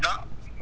cái tổng thể